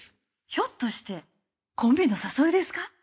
ひょっとしてコンビの誘いですか？